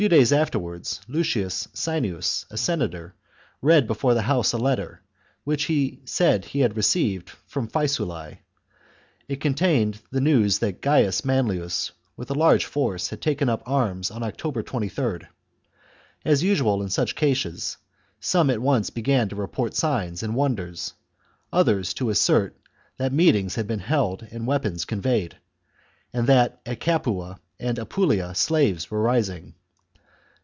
days afterwards, Lucius Saenius, a senator, read before the House a letter which he said he had received from Faesulae. It contained the news that Gains Manlius, with a large force, had taken up arms on October 23rd. As usual in such cases, some at once began to report signs and wonders ; others, to assert that meet ings had been held and weapons conveyed, and that at Capua and in Apulia the slaves were rising.